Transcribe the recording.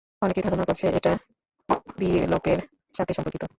অনেকেই ধারণা করছে এটা ব্লিপের সাথে সম্পর্কিত।